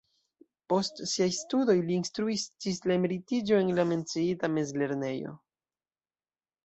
Post siaj studoj li instruis ĝis la emeritiĝo en la menciita mezlernejo.